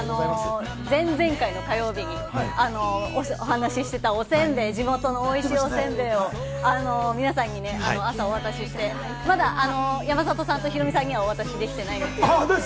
前々回の火曜日にお話していたお煎餅、地元の美味しいお煎餅を皆さんに朝お渡しして、まだ山里さんとヒロミさんにはお渡しできてないんですけれども。